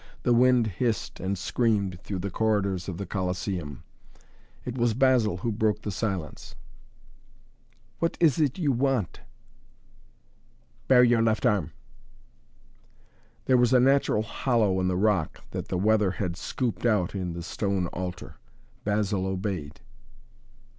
The wind hissed and screamed through the corridors of the Colosseum. It was Basil who broke the silence. "What is it, you want?" "Bare your left arm!" There was a natural hollow in the rock, that the weather had scooped out in the stone altar. Basil obeyed.